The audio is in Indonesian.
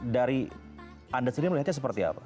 dari anda sendiri melihatnya seperti apa